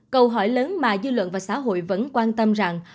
câu hỏi lớn mà dư luận và xã hội vẫn quan tâm rằng